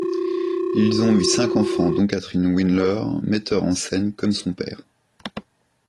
Ils ont eu cinq enfants dont Catherine Wyler metteur en scène comme son père.